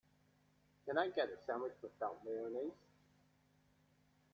Can I get the sandwich without mayonnaise?